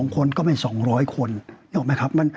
คนก็เป็น๒๐๐คนนึกออกไหมครับ